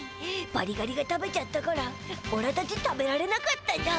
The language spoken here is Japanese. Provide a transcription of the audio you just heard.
バリガリが食べちゃったからおらたち食べられなかっただ。